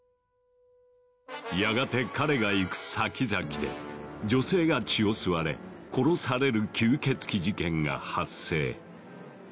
やがて彼が行く先々で女性が血を吸われ殺される吸血鬼事件が発生。